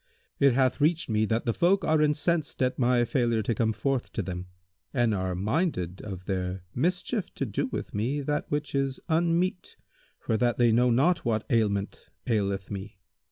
It hath reached me that the folk are incensed at my failure to come forth to them and are minded of their mischief to do with me that which is unmeet for that they know not what ailment aileth me.